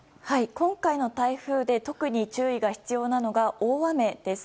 今回の台風で特に注意が必要なのが大雨です。